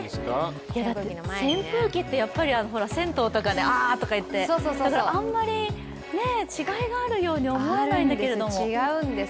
扇風機って、銭湯とかであって言ってあんまり違いがあるように思えないんだけれども。